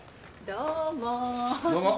どうも。